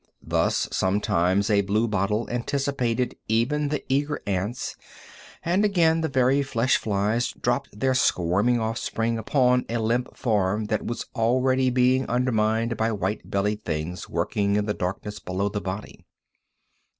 Thus, sometimes a blue bottle anticipated even the eager ants, and again the very flesh flies dropped their squirming offspring upon a limp form that was already being undermined by white bellied things working in the darkness below the body.